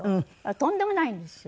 とんでもないんです。